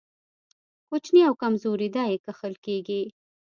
کوچني او کمزوري دا يې کښل کېږي.